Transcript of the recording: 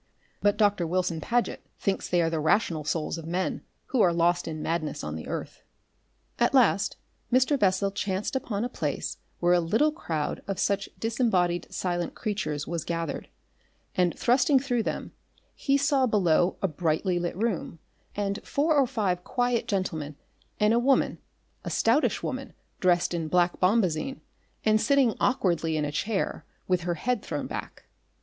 But Doctor Wilson Paget thinks they are the rational souls of men who are lost in madness on the earth. At last Mr. Bessel chanced upon a place where a little crowd of such disembodied silent creatures was gathered, and thrusting through them he saw below a brightly lit room, and four or five quiet gentlemen and a woman, a stoutish woman dressed in black bombazine and sitting awkwardly in a chair with her head thrown back.